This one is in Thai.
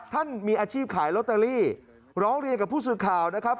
ท่านมีอาชีพขายลอตเตอรี่ร้องเรียนกับผู้สื่อข่าวนะครับ